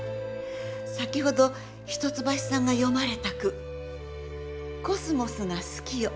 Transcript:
先ほど一橋さんが詠まれた句「秋桜が好きよ